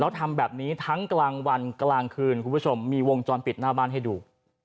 แล้วทำแบบนี้ทั้งกลางวันกลางคืนคุณผู้ชมมีวงจรปิดหน้าบ้านให้ดู